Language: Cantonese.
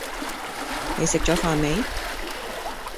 你食咗飯未？